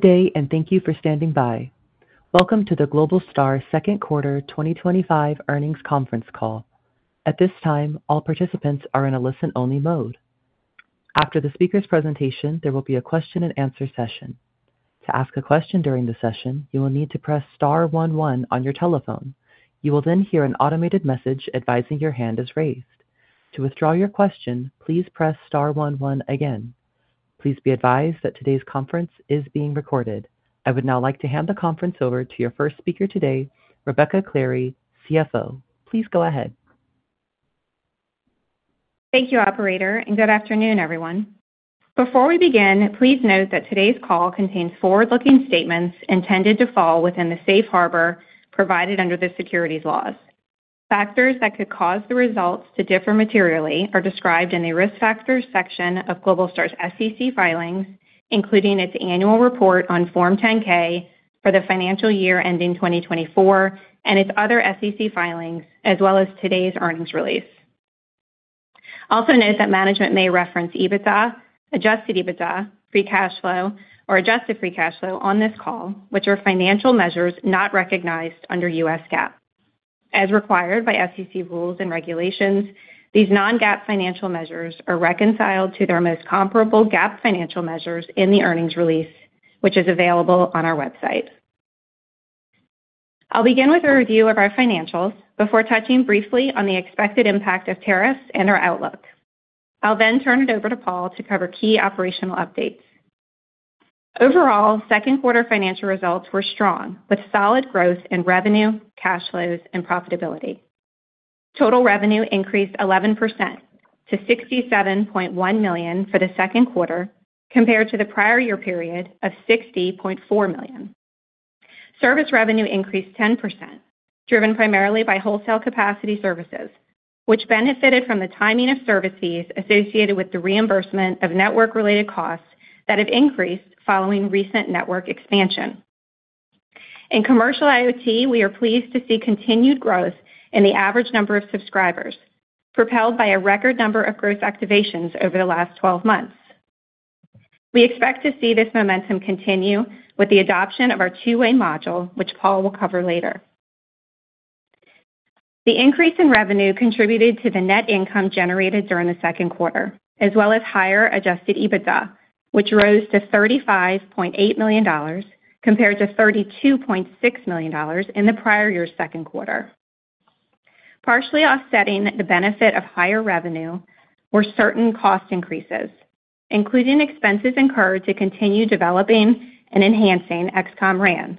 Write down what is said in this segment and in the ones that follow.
Today, and thank you for standing by. Welcome to the Globalstar Second Quarter 2025 Earnings Conference Call. At this time, all participants are in a listen-only mode. After the speaker's presentation, there will be a question-and-answer session. To ask a question during the session, you will need to press star one one on your telephone. You will then hear an automated message advising your hand is raised. To withdraw your question, please press star one one again. Please be advised that today's conference is being recorded. I would now like to hand the conference over to your first speaker today, Rebecca Clary, CFO. Please go ahead. Thank you, Operator, and good afternoon, everyone. Before we begin, please note that today's call contains forward-looking statements intended to fall within the safe harbor provided under the securities laws. Factors that could cause the results to differ materially are described in the Risk Factors section of Globalstar's SEC filings, including its annual report on Form 10-K for the financial year ending 2024 and its other SEC filings, as well as today's earnings release. Also note that management may reference EBITDA, adjusted EBITDA, free cash flow, or adjusted free cash flow on this call, which are financial measures not recognized under U.S. GAAP. As required by SEC rules and regulations, these non-GAAP financial measures are reconciled to their most comparable GAAP financial measures in the earnings release, which is available on our website. I'll begin with a review of our financials before touching briefly on the expected impact of tariffs and our outlook. I'll then turn it over to Paul to cover key operational updates. Overall, second quarter financial results were strong, with solid growth in revenue, cash flows, and profitability. Total revenue increased 11% to $67.1 million for the second quarter, compared to the prior year period of $60.4 million. Service revenue increased 10%, driven primarily by wholesale capacity services, which benefited from the timing of service fees associated with the reimbursement of network-related costs that have increased following recent network expansion. In commercial IoT, we are pleased to see continued growth in the average number of subscribers, propelled by a record number of growth activations over the last 12 months. We expect to see this momentum continue with the adoption of our two-way module, which Paul will cover later. The increase in revenue contributed to the net income generated during the second quarter, as well as higher adjusted EBITDA, which rose to $35.8 million compared to $32.6 million in the prior year's second quarter. Partially offsetting the benefit of higher revenue were certain cost increases, including expenses incurred to continue developing and enhancing XCOM RAN.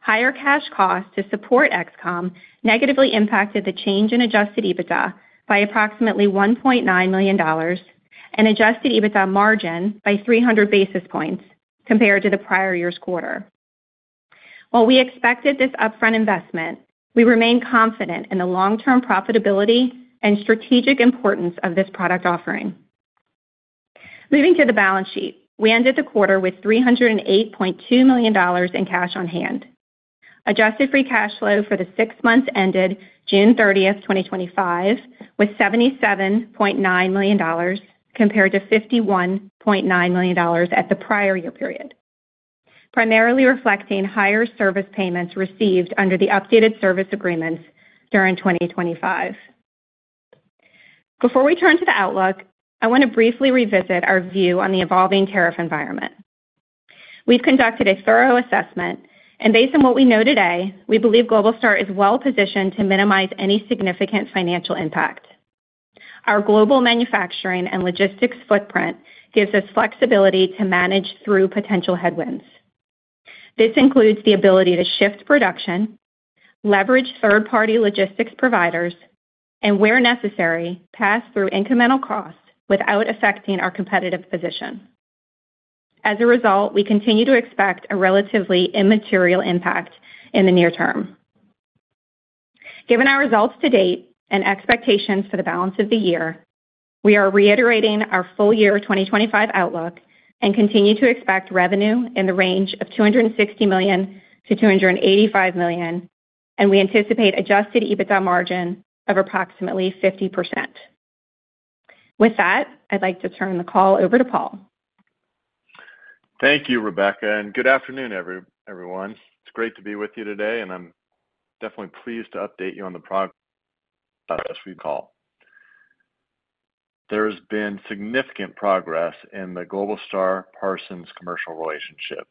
Higher cash costs to support XCOM negatively impacted the change in adjusted EBITDA by approximately $1.9 million and adjusted EBITDA margin by 300 basis points compared to the prior year's quarter. While we expected this upfront investment, we remain confident in the long-term profitability and strategic importance of this product offering. Moving to the balance sheet, we ended the quarter with $308.2 million in cash on hand. Adjusted free cash flow for the six months ended June 30th, 2025, was $77.9 million compared to $51.9 million at the prior year period, primarily reflecting higher service payments received under the updated service agreements during 2025. Before we turn to the outlook, I want to briefly revisit our view on the evolving tariff environment. We've conducted a thorough assessment, and based on what we know today, we believe Globalstar is well-positioned to minimize any significant financial impact. Our global manufacturing and logistics footprint gives us flexibility to manage through potential headwinds. This includes the ability to shift production, leverage third-party logistics providers, and, where necessary, pass through incremental costs without affecting our competitive position. As a result, we continue to expect a relatively immaterial impact in the near term. Given our results to date and expectations for the balance of the year, we are reiterating our full-year 2025 outlook and continue to expect revenue in the range of $260 million-$285 million, and we anticipate adjusted EBITDA margin of approximately 50%. With that, I'd like to turn the call over to Paul. Thank you, Rebecca, and good afternoon, everyone. It's great to be with you today, and I'm definitely pleased to update you on the progress we've made. There has been significant progress in the Globalstar-Parsons commercial relationship.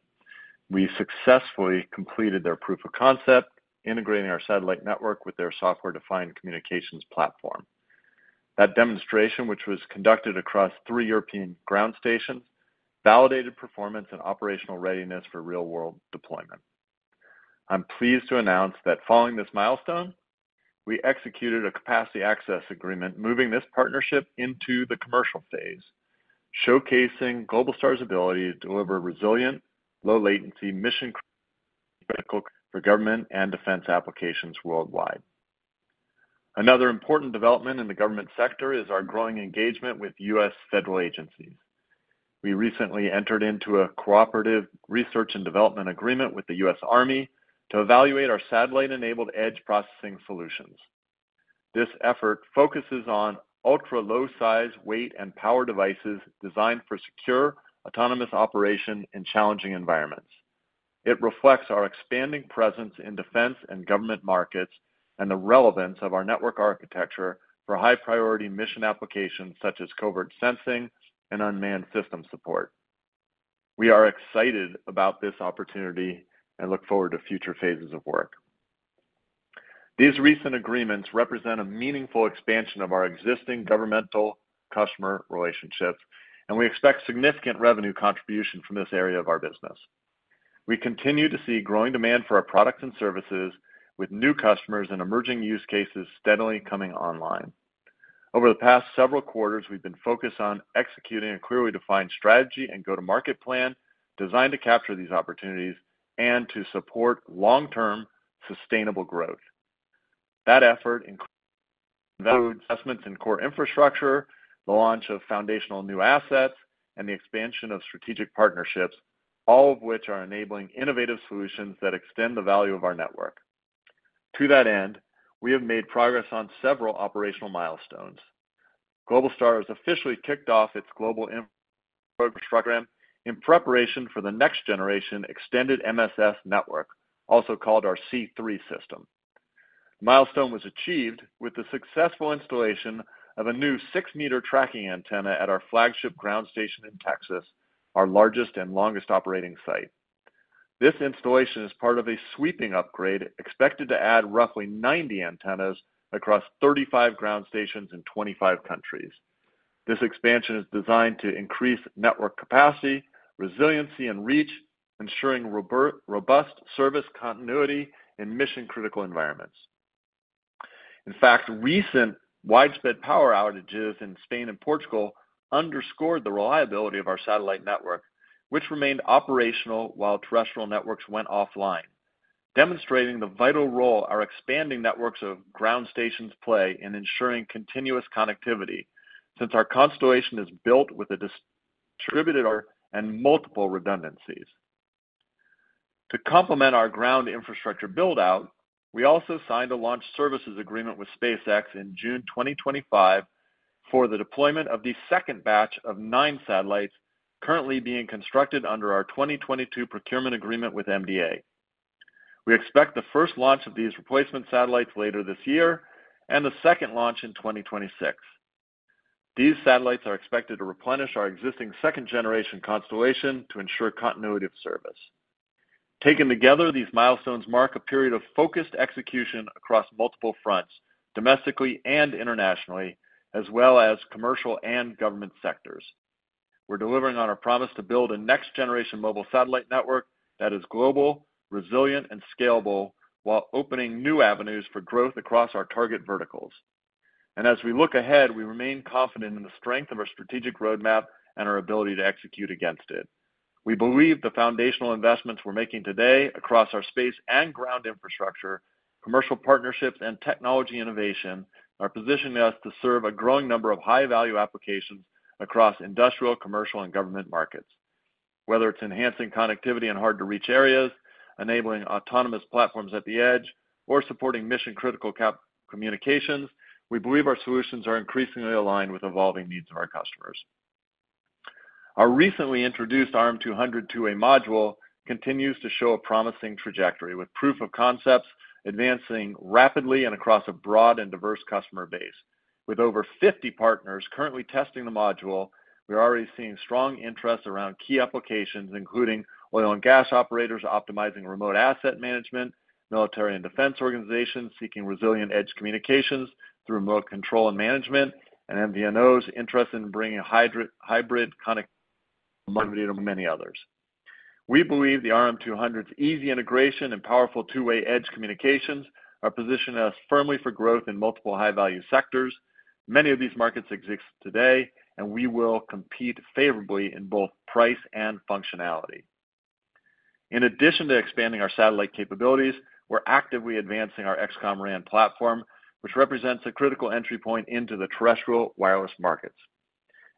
We successfully completed their proof of concept, integrating our satellite network with their software-defined communications platform. That demonstration, which was conducted across three European ground stations, validated performance and operational readiness for real-world deployment. I'm pleased to announce that following this milestone, we executed a capacity access agreement, moving this partnership into the commercial phase, showcasing Globalstar's ability to deliver resilient, low-latency mission-critical for government and defense applications worldwide. Another important development in the government sector is our growing engagement with U.S. federal agencies. We recently entered into a cooperative research and development agreement with the U.S. Army to evaluate our satellite-enabled edge processing solutions. This effort focuses on ultra-low size, weight, and power devices designed for secure, autonomous operation in challenging environments. It reflects our expanding presence in defense and government markets and the relevance of our network architecture for high-priority mission applications such as covert sensing and unmanned system support. We are excited about this opportunity and look forward to future phases of work. These recent agreements represent a meaningful expansion of our existing governmental-customer relationship, and we expect significant revenue contribution from this area of our business. We continue to see growing demand for our products and services, with new customers and emerging use cases steadily coming online. Over the past several quarters, we've been focused on executing a clearly defined strategy and go-to-market plan designed to capture these opportunities and to support long-term sustainable growth. That effort includes investments in core infrastructure, the launch of foundational new assets, and the expansion of strategic partnerships, all of which are enabling innovative solutions that extend the value of our network. To that end, we have made progress on several operational milestones. Globalstar has officially kicked off its global infrastructure program in preparation for the next-generation extended MSS network, also called our C3 system. The milestone was achieved with the successful installation of a new six-meter tracking antenna at our flagship ground station in Texas, our largest and longest operating site. This installation is part of a sweeping upgrade expected to add roughly 90 antennas across 35 ground stations in 25 countries. This expansion is designed to increase network capacity, resiliency, and reach, ensuring robust service continuity in mission-critical environments. In fact, recent widespread power outages in Spain and Portugal underscored the reliability of our satellite network, which remained operational while terrestrial networks went offline, demonstrating the vital role our expanding networks of ground stations play in ensuring continuous connectivity, since our constellation is built with a distributed network and multiple redundancies. To complement our ground infrastructure buildout, we also signed a launch services agreement with SpaceX in June 2025 for the deployment of the second batch of nine satellites currently being constructed under our 2022 procurement agreement with MDA. We expect the first launch of these replacement satellites later this year and the second launch in 2026. These satellites are expected to replenish our existing second-generation constellation to ensure continuity of service. Taken together, these milestones mark a period of focused execution across multiple fronts, domestically and internationally, as well as commercial and government sectors. We're delivering on our promise to build a next-generation mobile satellite network that is global, resilient, and scalable, while opening new avenues for growth across our target verticals. As we look ahead, we remain confident in the strength of our strategic roadmap and our ability to execute against it. We believe the foundational investments we're making today across our space and ground infrastructure, commercial partnerships, and technology innovation are positioning us to serve a growing number of high-value applications across industrial, commercial, and government markets. Whether it's enhancing connectivity in hard-to-reach areas, enabling autonomous platforms at the edge, or supporting mission-critical communications, we believe our solutions are increasingly aligned with evolving needs of our customers. Our recently introduced ARM202A module continues to show a promising trajectory, with proof of concepts advancing rapidly and across a broad and diverse customer base. With over 50 partners currently testing the module, we're already seeing strong interest around key applications, including oil and gas operators optimizing remote asset management, military and defense organizations seeking resilient edge communications through remote control and management, and MVNOs interested in bringing hybrid connectivity to many others. We believe the ARM202A module's easy integration and powerful two-way edge communications are positioning us firmly for growth in multiple high-value sectors. Many of these markets exist today, and we will compete favorably in both price and functionality. In addition to expanding our satellite capabilities, we're actively advancing our XCOM RAN platform, which represents a critical entry point into the terrestrial wireless markets.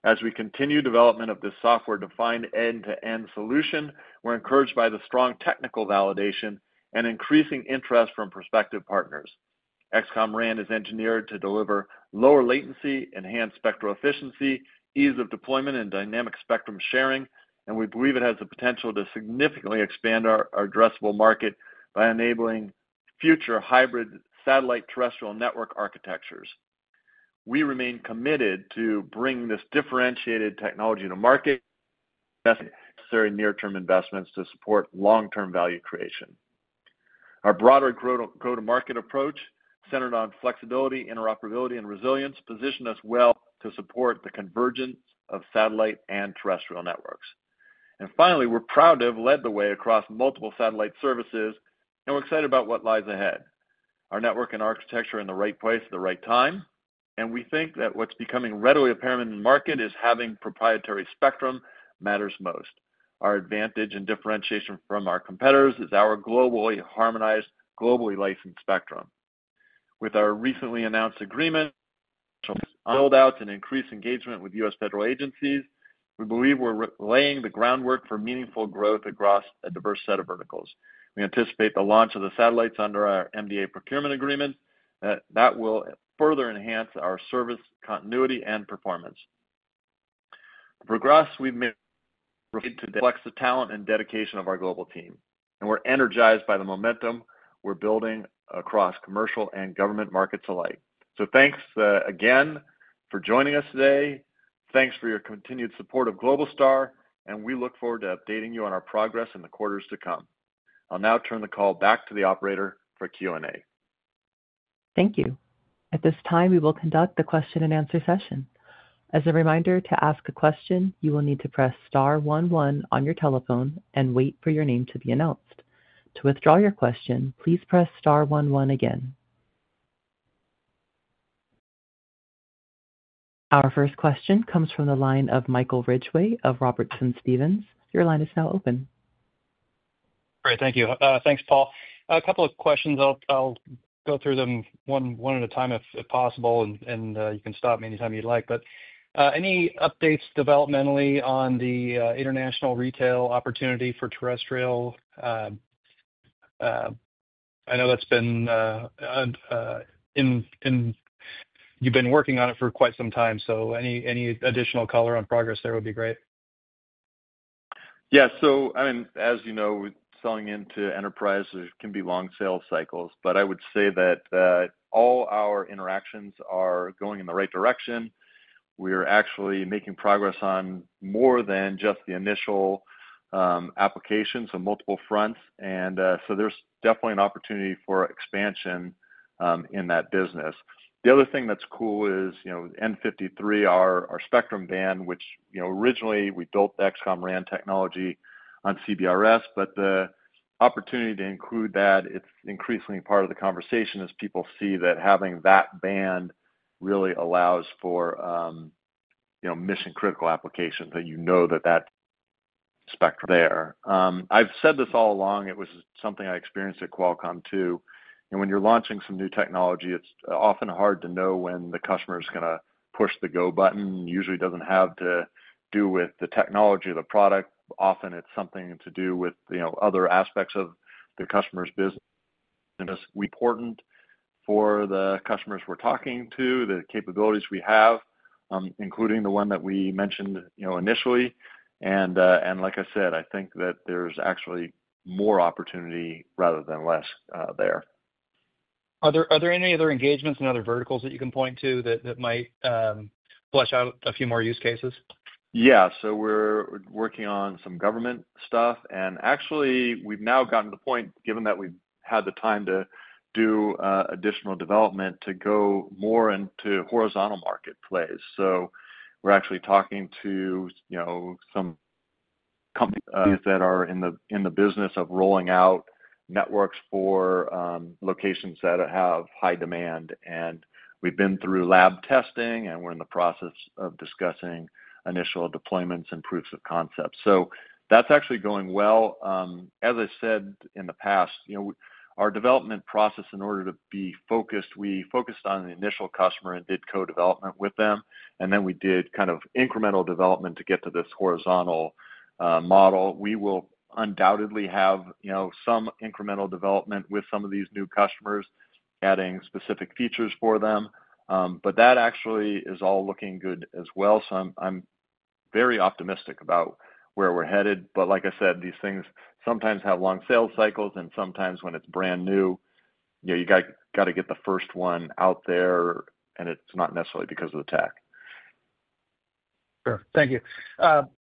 As we continue development of this software-defined end-to-end solution, we're encouraged by the strong technical validation and increasing interest from prospective partners. XCOM RAN is engineered to deliver lower latency, enhanced spectral efficiency, ease of deployment, and dynamic spectrum sharing, and we believe it has the potential to significantly expand our addressable market by enabling future hybrid satellite-terrestrial network architectures. We remain committed to bringing this differentiated technology to market and investing in necessary near-term investments to support long-term value creation. Our broader go-to-market approach, centered on flexibility, interoperability, and resilience, positions us well to support the convergence of satellite and terrestrial networks. We're proud to have led the way across multiple satellite services, and we're excited about what lies ahead. Our network and architecture are in the right place at the right time, and we think that what's becoming readily apparent in the market is having proprietary spectrum matters most. Our advantage and differentiation from our competitors is our globally harmonized, globally licensed spectrum. With our recently announced agreement to build out and increase engagement with U.S. federal agencies, we believe we're laying the groundwork for meaningful growth across a diverse set of verticals. We anticipate the launch of the satellites under our MDA procurement agreement, and that will further enhance our service continuity and performance. For us, we've made a flexible talent and dedication of our global team, and we're energized by the momentum we're building across commercial and government markets alike. Thanks again for joining us today. Thanks for your continued support of Globalstar, and we look forward to updating you on our progress in the quarters to come. I'll now turn the call back to the Operator for Q&A. Thank you. At this time, we will conduct the question-and-answer session. As a reminder, to ask a question, you will need to press star one one on your telephone and wait for your name to be announced. To withdraw your question, please press star one one again. Our first question comes from the line of Michael Ridgeway of Robertson Stephens. Your line is now open. Great, thank you. Thanks, Paul. A couple of questions. I'll go through them one at a time if possible, and you can stop me anytime you'd like. Any updates developmentally on the international retail opportunity for terrestrial? I know that's been, you've been working on it for quite some time, so any additional color on progress there would be great. Yeah, as you know, selling into enterprise, there can be long sales cycles, but I would say that all our interactions are going in the right direction. We're actually making progress on more than just the initial applications on multiple fronts, so there's definitely an opportunity for expansion in that business. The other thing that's cool is, you know, Band 53 spectrum, which, you know, originally we built the XCOM RAN platform on CBRS, but the opportunity to include that is increasingly part of the conversation as people see that having that band really allows for mission-critical applications, that you know that spectrum is there. I've said this all along. It was something I experienced at Qualcomm too. When you're launching some new technology, it's often hard to know when the customer is going to push the go button. Usually, it doesn't have to do with the technology or the product. Often, it's something to do with other aspects of the customer's business. We're important for the customers we're talking to, the capabilities we have, including the one that we mentioned initially. Like I said, I think that there's actually more opportunity rather than less there. Are there any other engagements in other verticals that you can point to that might flesh out a few more use cases? Yeah, we're working on some government stuff, and actually, we've now gotten to the point, given that we've had the time to do additional development, to go more into horizontal market plays. We're actually talking to some companies that are in the business of rolling out networks for locations that have high demand. We've been through lab testing, and we're in the process of discussing initial deployments and proofs of concept. That's actually going well. As I said in the past, our development process in order to be focused, we focused on the initial customer and did co-development with them, and then we did kind of incremental development to get to this horizontal model. We will undoubtedly have some incremental development with some of these new customers, adding specific features for them. That actually is all looking good as well, so I'm very optimistic about where we're headed. Like I said, these things sometimes have long sales cycles, and sometimes when it's brand new, you got to get the first one out there, and it's not necessarily because of the tech. Sure, thank you.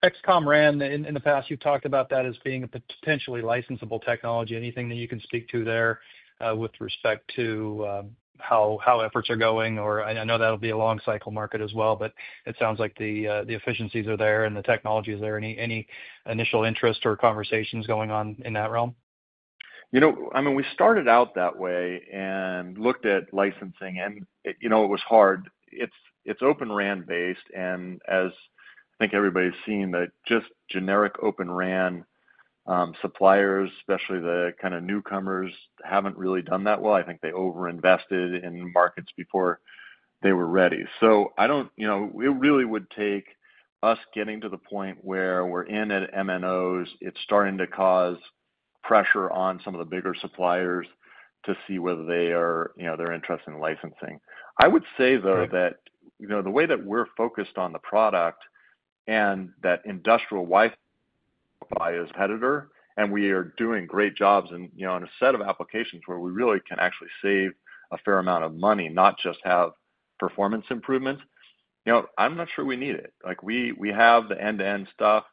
XCOM RAN, in the past, you've talked about that as being a potentially licensable technology. Anything that you can speak to there with respect to how efforts are going? I know that'll be a long cycle market as well, but it sounds like the efficiencies are there and the technology is there. Any initial interest or conversations going on in that realm? We started out that way and looked at licensing, and it was hard. It's Open RAN based, and as I think everybody's seen, just generic Open RAN suppliers, especially the kind of newcomers, haven't really done that well. I think they overinvested in markets before they were ready. It really would take us getting to the point where we're in at MNOs. It's starting to cause pressure on some of the bigger suppliers to see whether they are interested in licensing. I would say, though, that the way that we're focused on the product and that industrial Wi-Fi is competitive, and we are doing great jobs on a set of applications where we really can actually save a fair amount of money, not just have performance improvements. I'm not sure we need it. We have the end-to-end stuff.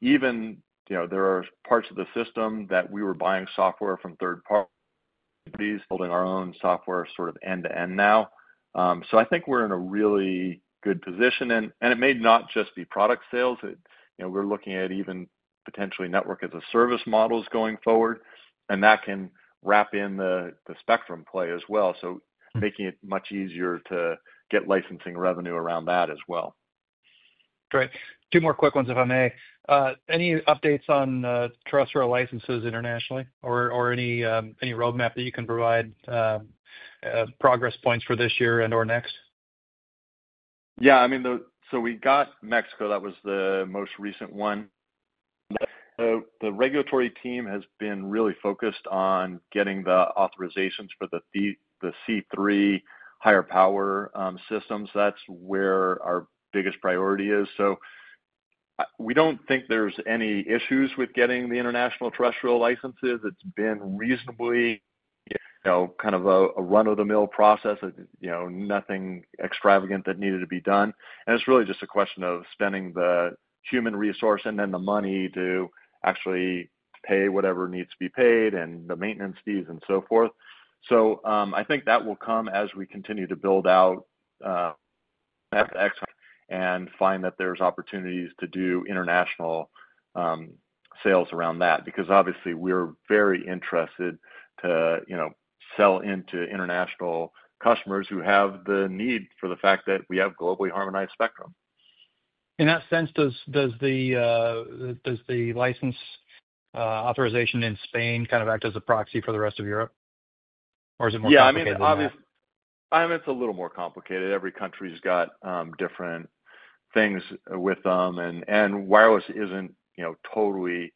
Even there are parts of the system that we were buying software from third parties, building our own software sort of end-to-end now. I think we're in a really good position, and it may not just be product sales. We're looking at even potentially network-as-a-service models going forward, and that can wrap in the spectrum play as well, making it much easier to get licensing revenue around that as well. Great. Two more quick ones, if I may. Any updates on terrestrial licenses internationally, or any roadmap that you can provide progress points for this year and/or next? Yeah, I mean, we got Mexico. That was the most recent one. The regulatory team has been really focused on getting the authorizations for the C3 higher power systems. That's where our biggest priority is. We don't think there's any issues with getting the international terrestrial licenses. It's been reasonably, you know, kind of a run-of-the-mill process, nothing extravagant that needed to be done. It's really just a question of spending the human resource and then the money to actually pay whatever needs to be paid and the maintenance fees and so forth. I think that will come as we continue to build out and find that there's opportunities to do international sales around that because obviously we're very interested to, you know, sell into international customers who have the need for the fact that we have globally harmonized spectrum. In that sense, does the license authorization in Spain kind of act as a proxy for the rest of Europe, or is it more complicated? Yeah, I mean, it's a little more complicated. Every country's got different things with them, and wireless isn't, you know, totally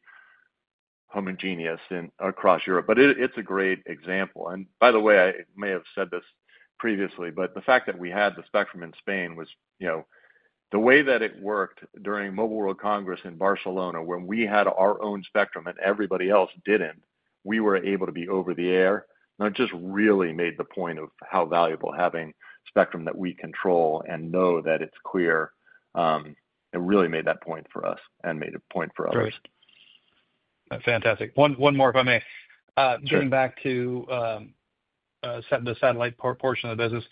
homogeneous across Europe, but it's a great example. By the way, I may have said this previously, but the fact that we had the spectrum in Spain was, you know, the way that it worked during Mobile World Congress in Barcelona when we had our own spectrum and everybody else didn't, we were able to be over the air. It just really made the point of how valuable having spectrum that we control and know that it's clear. It really made that point for us and made a point for others. Fantastic. One more, if I may. Sure. Getting back to the satellite portion of the business,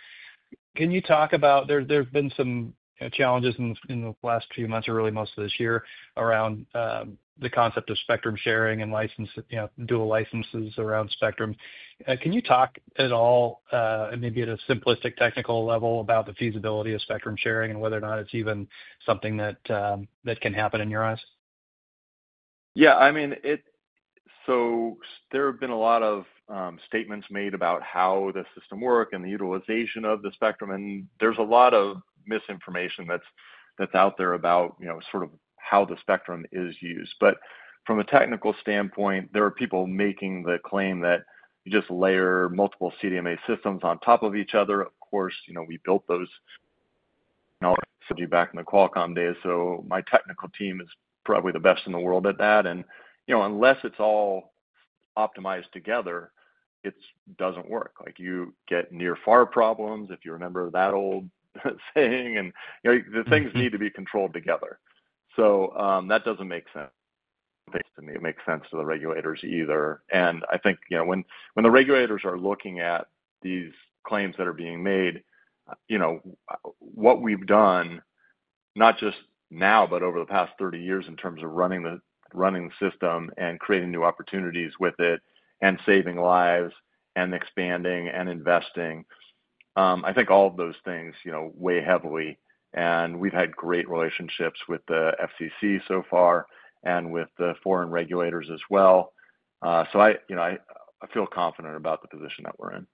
can you talk about, there's been some challenges in the last few months or really most of this year around the concept of spectrum sharing and license, you know, dual licenses around spectrum. Can you talk at all, and maybe at a simplistic technical level, about the feasibility of spectrum sharing and whether or not it's even something that can happen in your eyes? Yeah, I mean, there have been a lot of statements made about how the system works and the utilization of the spectrum, and there's a lot of misinformation that's out there about, you know, sort of how the spectrum is used. From a technical standpoint, there are people making the claim that you just layer multiple CDMA systems on top of each other. Of course, we built those back in the Qualcomm days, so my technical team is probably the best in the world at that. Unless it's all optimized together, it doesn't work. You get near-far problems, if you remember that old saying, and the things need to be controlled together. That doesn't make sense, basically. It makes sense to the regulators either. I think when the regulators are looking at these claims that are being made, what we've done, not just now, but over the past 30 years in terms of running the system and creating new opportunities with it and saving lives and expanding and investing, I think all of those things weigh heavily. We've had great relationships with the FCC so far and with the foreign regulators as well. I feel confident about the position that we're in.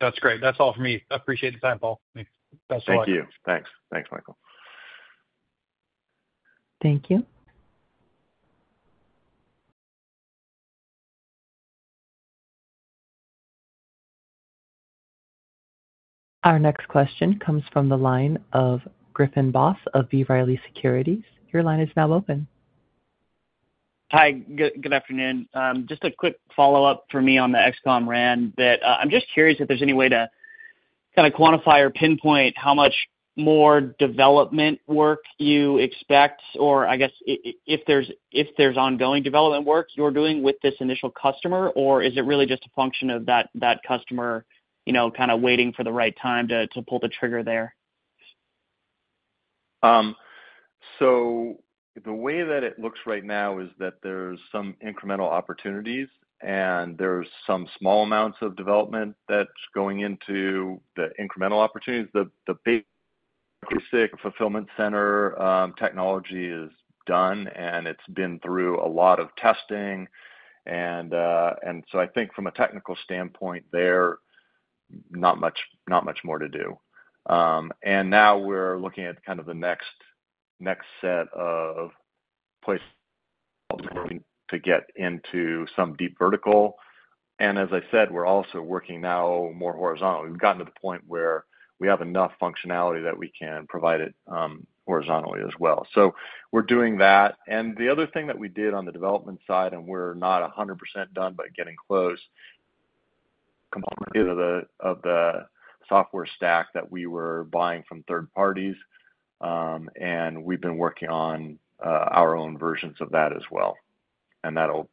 That's great. That's all for me. I appreciate the time, Paul. Thanks so much. Thank you. Thanks, Michael. Thank you. Our next question comes from the line of Griffin Boss of B. Riley Securities. Your line is now open. Hi, good afternoon. Just a quick follow-up for me on the XCOM RAN that I'm just curious if there's any way to kind of quantify or pinpoint how much more development work you expect, or I guess if there's ongoing development work you're doing with this initial customer, or is it really just a function of that customer, you know, kind of waiting for the right time to pull the trigger there? The way that it looks right now is that there's some incremental opportunities, and there's some small amounts of development that's going into the incremental opportunities. The basic fulfillment center technology is done, and it's been through a lot of testing. I think from a technical standpoint, there's not much more to do. Now we're looking at kind of the next set of places to get into some deep vertical. As I said, we're also working now more horizontally. We've gotten to the point where we have enough functionality that we can provide it horizontally as well. We're doing that. The other thing that we did on the development side, and we're not 100% done, but getting close, is the software stack that we were buying from third parties. We've been working on our own versions of that as well. That'll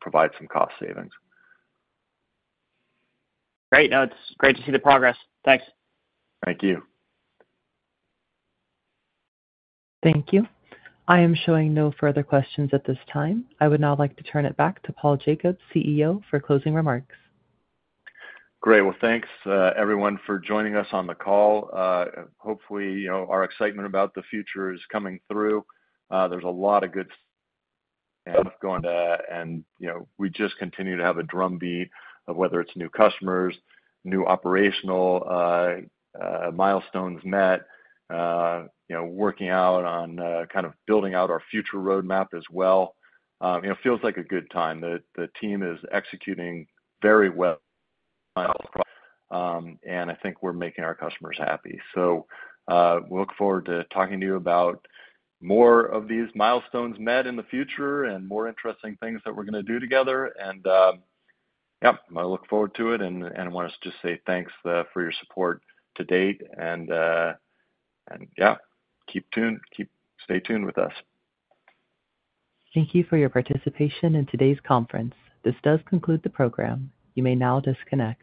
provide some cost savings. Great. No, it's great to see the progress. Thanks. Thank you. Thank you. I am showing no further questions at this time. I would now like to turn it back to Paul Jacobs, CEO, for closing remarks. Great. Thanks, everyone, for joining us on the call. Hopefully, our excitement about the future is coming through. There's a lot of good things going on, and we just continue to have a drumbeat of whether it's new customers, new operational milestones met, working out on kind of building out our future roadmap as well. It feels like a good time. The team is executing very well, and I think we're making our customers happy. We look forward to talking to you about more of these milestones met in the future and more interesting things that we're going to do together. I look forward to it and want to just say thanks for your support to date. Keep tuned, stay tuned with us. Thank you for your participation in today's conference. This does conclude the program. You may now disconnect.